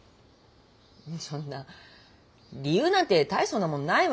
そんな理由なんて大層なものないわよ。